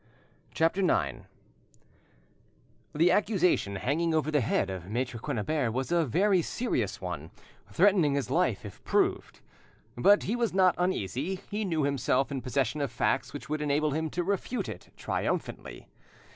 CHAPTER IX The accusation hanging over the head of Maitre Quennebert was a very serious one, threatening his life, if proved. But he was not uneasy; he knew himself in possession of facts which would enable him to refute it triumphantly.